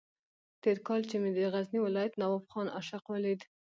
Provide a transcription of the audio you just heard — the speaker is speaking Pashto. تېر کال چې مې د غزني ولایت نواب خان عاشق ولید.